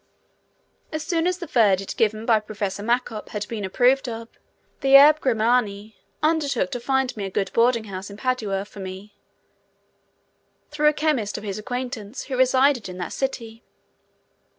As soon as the verdict given by Professor Macop had been approved of, the Abbé Grimani undertook to find a good boarding house in Padua for me, through a chemist of his acquaintance who resided in that city.